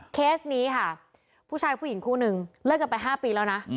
เคสนี้ค่ะผู้ชายผู้หญิงคู่นึงเลิกกันไป๕ปีแล้วนะ